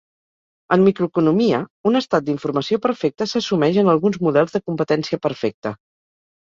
En microeconomia, un estat d'informació perfecta s'assumeix en alguns models de competència perfecta.